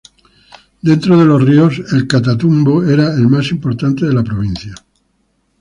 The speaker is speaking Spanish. Dentro de los ríos, el Catatumbo era el más importante de la provincia.